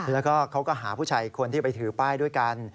แล้วก็เขาก็หาผู้ชายอีกคนที่ไปถือป้ายด้วยกัน